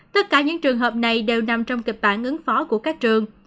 tất cả những trường hợp này đều nằm trong kịch bản ứng phó của các trường